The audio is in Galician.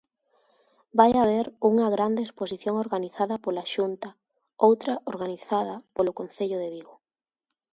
Vai haber unha grande exposición organizada pola Xunta, outra organizada polo Concello de Vigo...